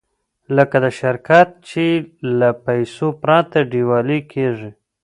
لکه د شرکت چې له پیسو پرته ډیوالي کېږي.